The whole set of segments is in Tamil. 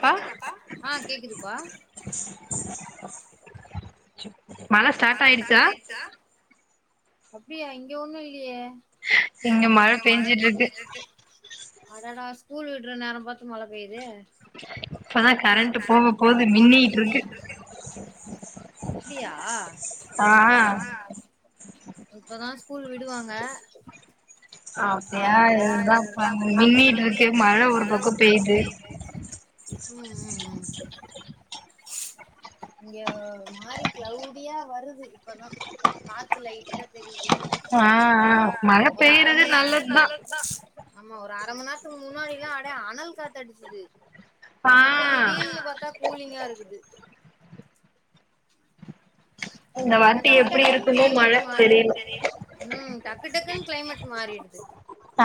கேக்குதாப்பா கேக்குதுப்பா மழ ஸ்டார்ட் ஆயிடுச்சா அப்டியா இங்க ஒண்ணு இல்லையே இங்க மழை பேஞ்சுட்டு இருக்கு அடடா ஸ்கூல் விட்ற நேரம் பாத்து மழை பெய்யுதே இப்பதா கரண்ட் போகபோது மின்னிட்டு இருக்கு அப்டியா இப்பதா ஸ்கூல் விடுவாங்க அப்டியா இதுதா இப்ப மின்னிக்கிட்டு இருக்கு மழை ஒரு பக்க பெய்யுது ம், ம், ம் இங்க ஒரு மாரி கிளவ்டியா வருது இப்பதா காத்து லை ட்டா தெரிது ஒரு அரைமண்நேரத்துக்கு ஆமா ஒரு அரை மணி நேரத்துக்கு முன்னாடி எல்லா அப்டியே அனல் காத்து அடிச்சிது இப்ப திடீர்னு பாத்தா கூலிங்கா இருக்குது இப்டி டக்குனு கிளைமேட் மாறிடுது ம் டக்கு டக்குன்னு கிளைமேட் மாறிடுது ஆ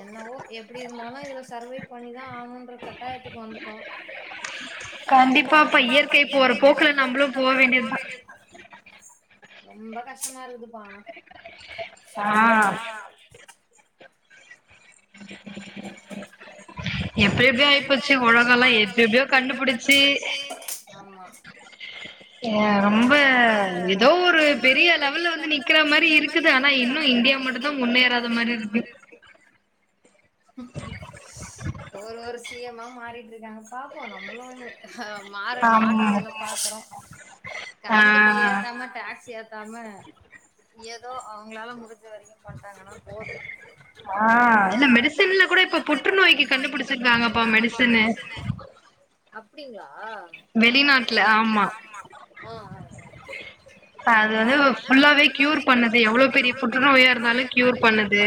என்னவோ எப்படி இருந்தாலு இதுல சர்வே பண்ணிதா ஆகனுன்ற கட்டாயத்துக்கு வந்துட்டோ கண்டிப்பா இப்ப இயற்கை போற போக்குல நம்மளு போ வேண்டியதுதா ரொம்ப கஷ்டமா இருக்குதுபா ஆனா ஆ எப்டி எப்டியோ ஆயிப்போச்சு உலக எல்லா எப்டி எப்டியோ கண்டுபுடிச்சு ஆமா இங்க ரொம்ப ஏதோ ஒரு பெரிய லெவல்ல வந்து நிக்கிற மாரி இரு க்குது ஆனா இன்னு இந்தியா மட்டுந்தா முன்னேறாத மாரி இருக்கு ஒரு ஒரு சீ எம்ஆ மாறிட்டு இருக்காங்க பாப்போ நம்மளு அ மாற மாற்று வேல பாக்குறோ கரண்ட் பில் ஏத்தாம டாக்ஸ் ஏத்தாம ஏதோ அவங்களால முடிஞ்ச வரைக்கு பண்ட்டாங்கன்னா போதும், ஆ இந்த மெடிசன்லா கூட இப்ப புற்றுநோய்க்கு கண்டு புடிச்சிருக்காங்கப்பா மெடிசன்னு அப்டிங்ளா ஆ, ஆ அது வந்து இப்ப ஃபுல்லாவே கியூர் பண்ணுது எவ்ளோ பெரிய புற்றுநோயா இருந்தாலு கியூர் பண்ணுது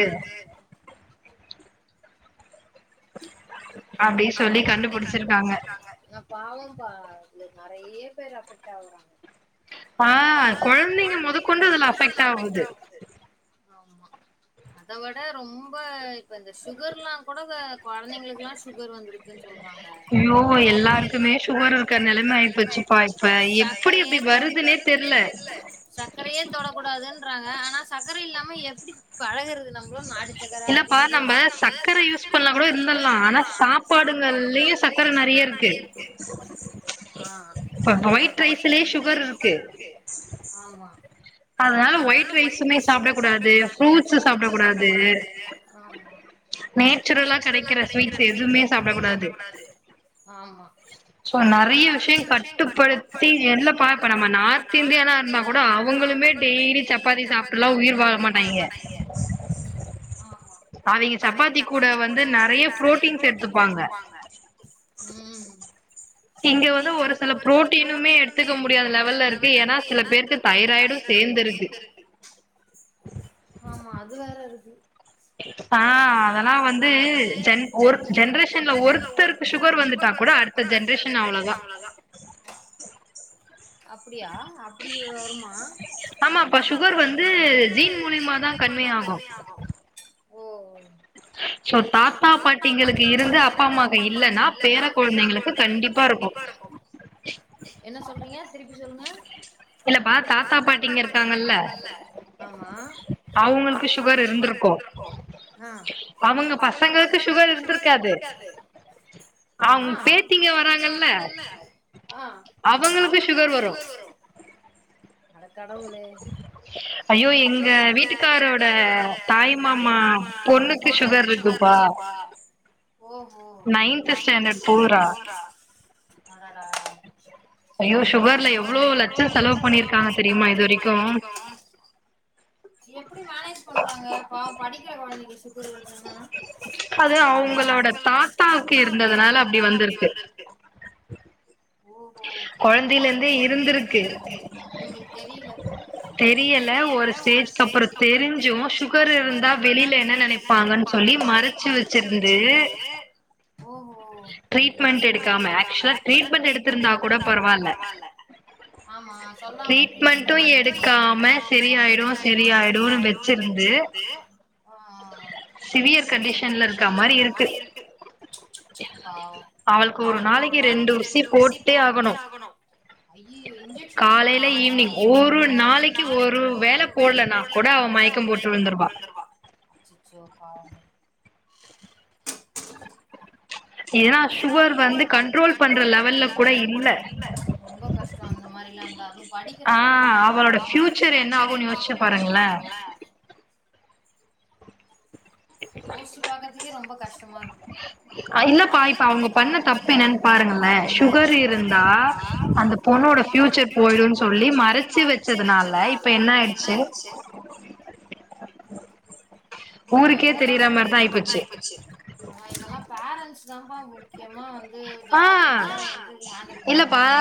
அப்டின்னு சொல்லி கண்டுபுடிச்சிருக்காங்க ஆனா பாவம்ப்பா இதுல நெறைய பேர் அஃபெக்ட் ஆவுறாங்க பா கொழந்தைங்க மொதக்கொண்டு அதுல அஃபெக்ட் ஆகுது ஆமா, அத விட ரொம்ப இப்ப இந்த சுகர்ல்லா கூட குழந்தைங்களுக்கெல்லா சுகர் வந்திருக் குனு சொல்றாங்க ஐயோ எல்லாருக்குமே சுகர் இருக்க நிலைம ஆயி போச்சு பா சக்கரையே வருதுனே தெ எதுனே தெர்ல சக்கரையே தொடக்கூடாதுன்றாங்க ஆனா சக்கர இல்லாம எப்டி பழகுறது நம்மளோ நாடு இல்லப்பா நம்ம சக்கர யூஸ் பண்ண கூட இருந்தலா ஆனா சாப்பாடுகள்லயு சக்கர நெறைய இருக் இருக்கு ஆ அது கரெக்ட் அது ஒயிட் ரைஸ்லேயே சுகர் இருக்கு ஆம்மா அதனால ஒயிட் ரைஸுமே சாப்ட கூடாது ப்ரூட்ஸுசாப்ட கூடாது நேச்சுரலா கிடைக்கறப்ப இப்ப எதுவுமே சாப்ட கூடாது ஆமா சோ நெறைய விஷயோ கட்டுப்படுத்தி எல்ல பா இப்ப நம்ம நா நார்த் இந்தியானா இருந்தா கூட அவங்களுமே டெய்லி சப்பாத்தி சாப்டெல்லா உயிர் வாழ மாட்டாங்கே ஆமா அவெங்க சப்பாத்தி கூட வந்து நெறைய புரோட்டீன்ஸ் எடுத்துப்பாங்க ம் நீங்க வந்து ஒரு சில புரோட்டீனுமே எடுத்துக்கம் முடியாத லெவல்ல இருக்கு ஏன்னா சில பேர்க்கு தைராய்டு சேந்து இருக்கு ஆமா அது வேற இருக்கு ஆ அதெல்லா வந்து ஜென் ஒரு ஜென்ரேஷன்ல ஒருத்தருக்கு சுகர் வந்துட்டா கூடோ அட்த்த ஜென்ரேஷன் அவ்ளோதா அப்டியா அ அப்டியு வருமா ஆமா அப்ப சுகர் வந்து ஜீன் மூலியமாதா கன்வே யாகு ஓ சோ தாத்தா பாட்டிங்களுக்கு இருந்து அப்பா அம்மாக்கு இல்லன்னா பேர குழந்தைங்களுக்கு கண்டிப்பா இருக்கு என்ன சொல்றீங்க திருப்பி சொல்லுங்க இல்லப்பா தாத்தா பாட்டிங்க இருக்காகல்ல ஆமா அவ்ங்களுக்கு சுகர் இருந்திருக்கு ஆ அவங்க பசங்களுக்கு சுகர் இருந்திருக்காது ஆ அவ்ங் பேத்தீங்க வராங்கல்ல ஆ அவங்களுக்கு சுகர் வரு அட கடவுளே அயோ எங் க வீட்டுக்காரோட தாய் மாமா பொண்ணுக்கு சுகர் இருக்கும்பா ஓஹோ நைன்த் ஸ்டாண்டர்ட் போறா அடடா அயோ சுகர்ல எவ்ளோ லட்சோ செலவு பண்ணிருக்காங்க தெரியுமா இதுவரைக்கு எப்டி மேனேஜ் பண்றாங்க பாவோ படிக்கிற கொழந்தைக்கு சுகர் இருக்குன்னா அது அவ்ங்களோட தாத்தாக்கு இருந்ததுனால அப்டி வந்துருக்கு ஓஹோ கொழந்தையில இருந்தே இருந்துருக்கு இவ்ங்களுக்கு தெரியில தெரியல ஒரு ஸ்டேஜ்க் அப்புறோ தெரிஞ்சு சுகர் இருந்தா வெளில என்ன நெனைப்பாங்கன் சொல்லி மறச்சு வச்சிருந்து ஓஹோ ட்ரீட்மெண்டட் எடுக்காம ஆக்சுலா ட்ரீட்மெண்ட்எடுத்திருந்தா கூட பரவால ஆமா சொன்னா மட்டு [unintelligible] ட்ரீட்மெண்டு எடுக்காம சரி ஆயிடு சரியாயிடுனு வச்சி ந்து சிவியர் கண்டிஷன்ல இருக்க மாரி இருக்கு அவளுக்கு ஒரு நாளைக்கு ரெண்டு ஊசி போட்டே ஆகனு காலையில ஈவினிங் ஒரு நாளைக்கு ஒரு வேல போட்லனா கூட அவ மயக்கம் போட்டு விழுந் அச்சச்சோ பாவாமே ஏன்னா சுகர் வந்து கண்ட்ரோல் பண்ற லெவல்ல கூட இல்ல அ அவ ஃபியூச்சர் என்ன ஆகுனு யோசிச்சு பாருங்களே யோசிச்சு பாக்குறதுக்கே ரொம்ப கஷ்டமா இருக்கு இல்ல பா இப்ப அவுங்க பண்ண தப்பு என்னன்னு பாருங்களே சுகர் இருந்தா அந்த பொண்ணோட ஃபியூச்சர் போயிடுன்னு சொல்லி மறச்சு வச்சதுனால இப்ப என்ன ஆயிச்சு ஊருக்கே தெரியிற மாரிதா ஆயிப்போச்சு ஆ இதெல்லா பேரண்ட்ஸ் தான்பா முக்கியமா வந் து ஜாக்ரதையா வந்து ஹான்டில் பண்ணனு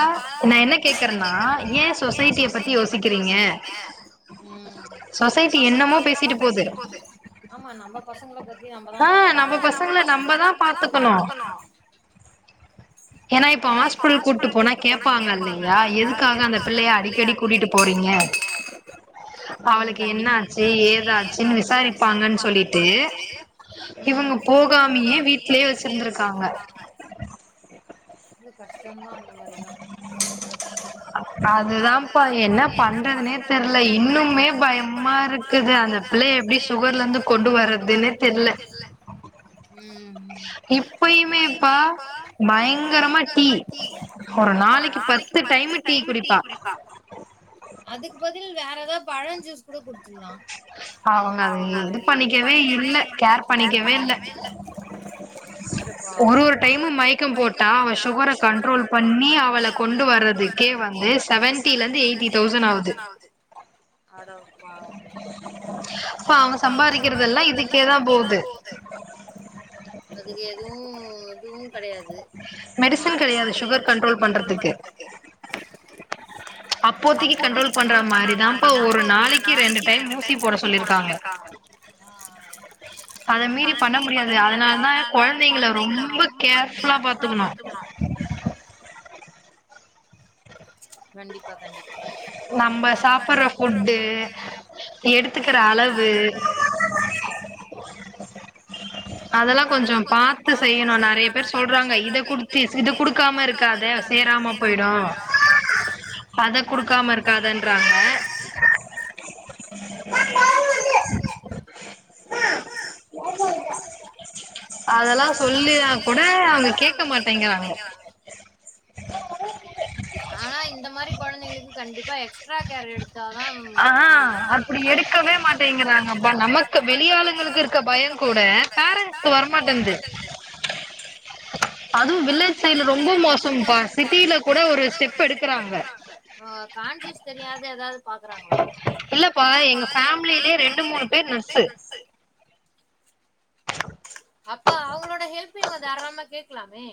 பத்தி யோசிக்கிறீங்க சொசைட்டி என்னமோ பேசிட்டு போது ஆமா நம்ப ஆ நம்ம பசங்கள நம்மதா பாத்துக்கணு ஏன்னா இப்ப ஹாஸ்பிட்டல் கூப்ட்டு போனா கேப்பாங்க இல்லையா எதுக்காக அந்த பிள்ளைய அடிக்கடி கூட்டிட்டு போறீங்க அவளுக்கு என்ன ஆச்சு ஏதாச்சுன் விசாரிப்பாங்கன் ப்பாங்கன்னு சொல்லிட்டு இவுங்க போகாமயே வீட்லே வெச்சிருந்துருக்காங்க அவ்ளோ கஷ்டந்தா அந்த மாரிலா ஆ அதுதான்பா என்ன பண்றதுனே தெரில இன்னுமே பயமா இருக்கு அந்த பிள்ளைய எப்டி சுகர்ல இருந்து கொண்டு வரதுன்னே தெர்ல இப்பயுமே இப்ப பயங்கரமா டீ ஒரு நாளைக்கு பத்து டைமு டீ குடிப்பா அதுக்கு பதில் வேற எதாவது பழ ஜுஸ் கூட குடிச்சிர்லா அது இது பண்ணிக்கவே இல்ல கேர் பண்ணிக்கவே இல்ல சப்பா ஒரு ஒரு டைமு மைக்கம் போட்டா அவ சுகர கண்ட்ரோல் பண்ணி அவள கொண்டு வர்றது க்கே வந்து செவன்ட்டில இருந்து எயிட்டி தௌசண்ட் ஆகுது அட பாவமே இப்ப அவன் சம்பாரிக்றதெல்லா இதுக்கே தா போது அதுக்கு எதுவு இதுவு கெடையாது மெடிசின் கிடையாது சுகர் கண்ட்ரோல் பண்றதுக்கு அப்போதிக்கு கண்ட்ரோல் பண்ற மாரி தான்ப்பா ஒரு நாளைக்கு ரெண்டு டைம் ஊசி போட சொல்லிருக்காங்க அ அ அ அத மீறி பண்ண முடியாது அதனாலதா குழந்தைங்கள ரொம்ப கேர்ஃபுல்லா பாத்துக்கணு கண்டிப்பா கண்டிப்பா நம்ம சாப்புட்ற ஃபுட்டு எடுத்துக்கற அளவு அதெல்லா கொஞ்சம் பாத்து செய்யணு நறைய பேர் சொல்றாங்க இத குடுத்து இத குடு க்காம இருக்காத சேராம போயிடு அத குடுக்காம இருக்காதன்றாங்க அதெல்லா சொல்லினா கூட அவுங்க கேட்க மாட்டேங்கிறாங்க ஆ இந்த மாதிரி கொழந்தைகளுக்கு கண்டிப்பா எக்ஸ்ட்ரா கேர் எடுத் எடுத்தா தா ம் பண்ணும் அப்டி எடுக்கவே மாட் இப்ப இங்க நாங்க பண்ண நமக்கு வெளிய ஆளுங்களுக்கு இருக்கற பயம் கூட பேரண்ட்ஸ்க்கு வரமாட்டேங்குது [unintelligible] அதுவு வில்லேஜ் சைடுல ரொம்ப மோசம்ப்பா சிட்டில கூட ஒரு ஸ்டெப் எடுக்குறாங்க ஆ கான்சியஸ் தெரியாதது எதாது பாக்குறாங்களா இல்லப்பா எங்க ஃபேம் இங்கே ரெண்டு மூணு பேர் டிரக்ஸு [unintelligible] அப்ப அவுங்களோட ஹெல்ப்பையு தாராளமா கேக் க்ளாமே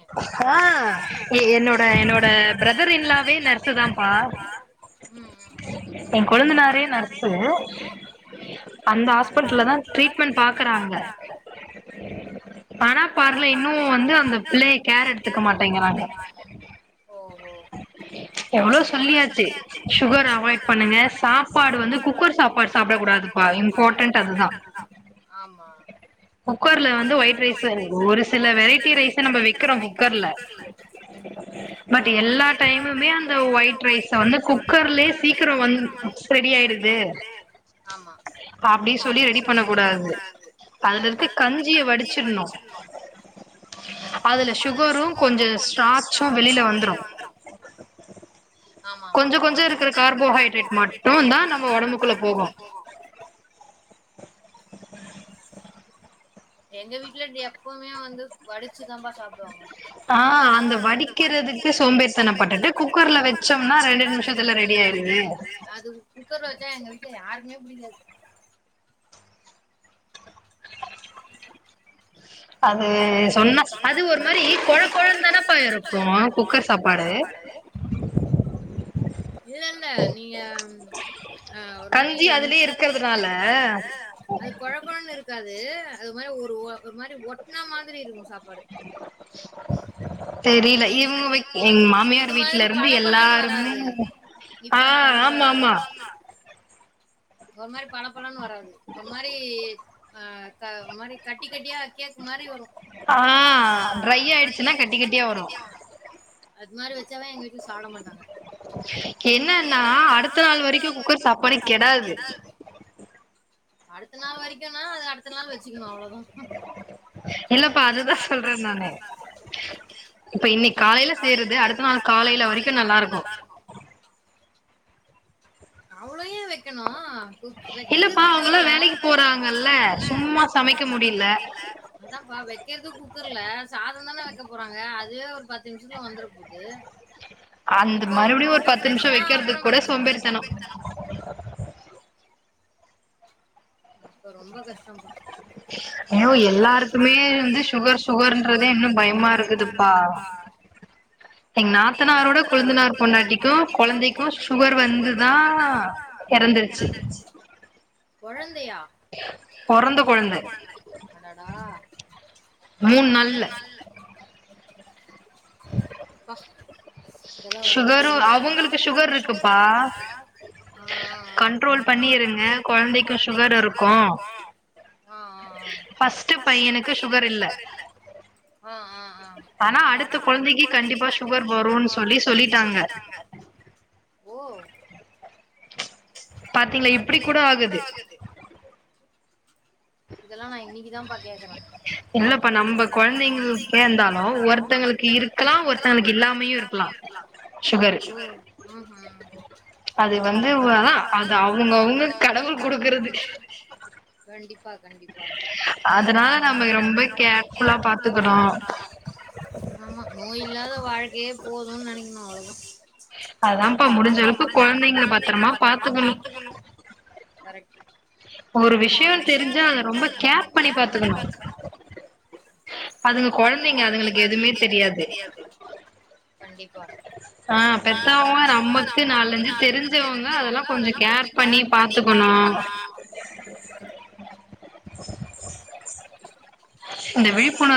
என்னோட என்னோட பிரதர் இன் லாவே நர்ஸ் தான்ப்பா ம் ம் ம் ஏ கொழுந்தனாரே நர்ஸ் ம் ம் அந்த ஹாஸ்பிடல்ல தா ட்ரீட்மென்ட் பாக்குறாங்க ஆனா பார்ல இன்னும் வந்து அந்த பிள்ளைய கேர் எடுத்துக்க மாட்டேங்கிறாங்க [unintelligible] எவ்ளோ சொல்லியாச்சு சுகர் அவாய்ட் பண்ணுங்க சாப்பாடு வந்து குக்கர் சாப்பாடு சாப்ட கூடாதுப்பா. இம்பார்டெண்ட் அதுதா ஆமா குக்கர்ல வந்து ஒயிட் ரைஸ் வேகு ஒரு சில வெரைட்டி ரைஸ்ம் நம்ம வெக்கிறோ குக்கர்ல மத் எல்லா டைமுமே அந்த ஒயிட் ரைஸ் வந்து குக்கர்லயே சீக்கிரோ வந்து ரெடி ஆயிடுது ஆமா அப்டி சொல்லி ரெடி பண்ண கூடாது கரெக்ட்டு அதுல இருக் கஞ்சிய வடிச்சிர்ணு அதுல சுகரு கொஞ்சோ ஸ்டராச்சு வெளில வந்துரு ஆமா ஆமா கொஞ்சோ கொஞ்சோ இருக்குற கார்போஹைட்ரேட் மட்டுந்தா நம்ம ஒடம்புக்குள்ள போகு [unintelligible] எங்க வீட்டுல எப்பவுமே வந்து வடுச்சுதாம்பா சாப்டுவாங்க ஆ அந்த வடிக்கிறதுக்கு சோம்பேறித்தனப்பட்டுட்டு குக்கர்ல வச்சோம்னா ரெண்டு நிம்ஷத்ல ரெடி ஆயிருது அது குக்கர்ல வெச்சா எங்க வீட்டு்ல யாருக்மே புடிக்காது [unintelligible] அது சொன்னோ அது ஒரு மாதிரி கொழ கொழன்னு தானேப்பா இருக்கு குக்கர் சாப்பாடு [unintelligible] இல்லல்ல நீங்க ஆ ஒரு மாரி கஞ்சி அதுலே இருக்குறனால அது கொழ கொழன்னு இருக்காது அது ஒரு மாதி ஒரு ஒரு மாதி ‌ஒட்டுனா மாதிரிருக்கு சாப்பாடு [unintelligible] தெரில இவுங்க வீட் எங்க மாமியார் வீட்டுல இருந்து எல்லாருமே ஆ ஆம்மாம்மா ஒரு மாரி பள பளன்னு வராது ஒரு மாறி அ க ஒரு மாரி கட்டி கட்டியா கேக்கு மாறி வரு ஆ டிரை ஆச்சுன்னா கட்டி கட்டியா வரு அத் மாரி வச்சாதா எங்க வீட்ல சாப்ட மாட்டாங்க என்னென்னா அடுத்த நாள் வரைக்கு குக்கர் சாப்பாடு கெடாது அடுத்த நாள் வரைக்கும்னா அது அடுத்த நாள் வச்சுக்கலா அவ்ளோதா இல்லப்பா அதுதா சொல்றே நானு இப்ப இன்னைக்கு காலைல செய்யுறது அடுத்த நாள் காலைல வரைக்கு நல்லாருக்கு அவ்ளோ ஏ வெக்கணு வக்கிறது கூக்கர்ல அதாம்பா வெக்கெற்து குக்கர்ல சாதோந்தானே வைக்க போறாங்க அதுவே ஒரு பத்து நிமிஷத்துல வந்துர போகுது போகுதுன்னு அந் மறுபடியு ஒரு பத்து நிமிஷோ வக்கிறதுக் கூட சோம்பேறித்தனோ அப்பொ ரொம்ப கஷ்டோம்பா ஐயோ எல்லாருக்குமே வந்து சுகர் சுகர்ன்றதே இன்னு பயமா இருக்குதுப்பா எங்க நாத்தனாரோட கொழுந்தனார் பொண்டாட்டிக்கு கொழந்தைக்கு சுகர் வந்துதா எறந்துட்சி கொழந்தையா பொறந்த கொழந்த அடடா மூணு நாள்ல அப்பா எதா ரொம்ப‌ கொடும கண்ட்ரோல் பண்ணிருங்க கொழந்தைக்கு சுகர் இருக்கு பஸ்ட்டு பையனுக்கு சுகர் இல்ல ஆனா அடுத்த கொழந்தைக்கு கண்டிப்பா சுகர் வரூனு சொல்லி சொல்லிட்டாங்க ஓ இதெல்லா நா இன்னைக்கிதாம்பா கேக்குறே இல்லப்பா நம்ம கொழந்தைங்களுக்குமே இருந்தாலு ஒருத்தங்களுக்கு இருக்கலா ஒருத்தங்களுக்கு இல்லாம மையு இருக்கலா சுகரு அது வந்து வா அது அவுங்கவுங்க கடவுள் குடுக்குறது கண்டிப்பா ஆமா நோய் இல்லாத வாழ்க்கையே போதூன் நெனைக்கணு அவ்ளோதா அதாம்பா முடிஞ்சளவுக்கு கொழந்தைங்கள பத்தரமா பாத்துக்கணு கரெக்ட் ஒரு விஷயோ தெரிஞ்சா அத இதா‌க ரொம்ப கேர் பண்ணி பாத்துக்கணு அதுங்க கொழந்தைங்க அதுங்களுக்கு எதுமே தெரியாது ஆ பெத்தவங்க நமக்கு நாலஞ்சு தெரிஞ்சவங்க அதெல்லா கொஞ்சோ கேர் பண்ணி பாத்துக்கணு இந்த விழிப்புணர்